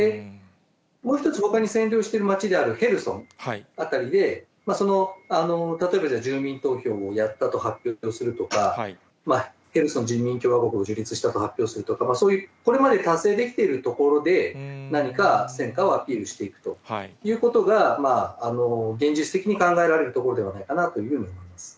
もう一つ、ほかに占領している街であるヘルソン辺りで、例えば住民投票をやったと発表するとか、ヘルソン人民共和国を樹立したと発表するとか、そういう、これまで達成できているところで、何か戦果をアピールしていくということが、現実的に考えられるところではないかなというように思います。